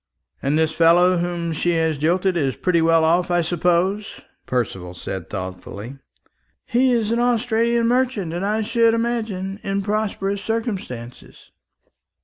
"And this fellow whom she has jilted is pretty well off, I suppose?" Percival said thoughtfully. "He is an Australian merchant, and, I should imagine, in prosperous circumstances."